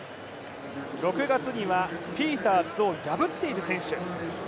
６月にはピータースを破っている選手。